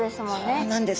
そうなんです！